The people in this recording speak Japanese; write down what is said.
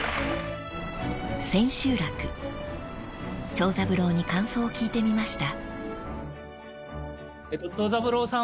［長三郎に感想を聞いてみました］